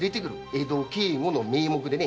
江戸警護の名目でね。